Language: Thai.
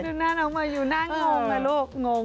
ดูหน้าน้องมายูหน้างงนะลูกงง